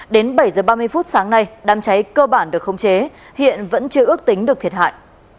đến bảy h ba mươi phút sáng nay đám cháy cơ bản được khống chế hiện vẫn chưa ước tính được thiệt hại